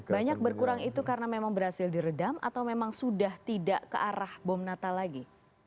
banyak berkurang itu karena memang berhasil diredam atau memang sudah tidak ke arah bom natal lagi